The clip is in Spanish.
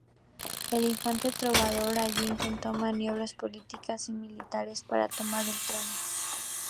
El infante trovador allí intentó maniobras políticas y militares para tomar el trono.